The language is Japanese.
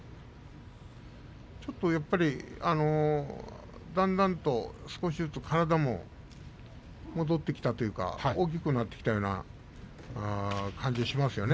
ちょっとやっぱりだんだんと少しずつ体も戻ってきたというか大きくなってきたような感じがしますよね